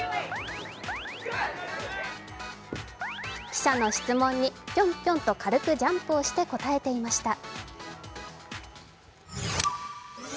記者の質問にぴょんぴょんと、軽くジャンプをして答えていました。